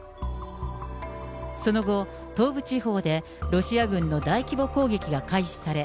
その後、東部地方でロシア軍の大規模攻撃が開始され、